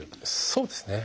そうですね。